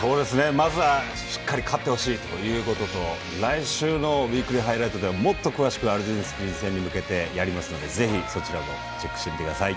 まずはしっかり勝ってほしいということと来週の「ウイークリーハイライト」ではもっと詳しくアルゼンチン戦に向けてやりますのでぜひそちらもチェックしてみてください。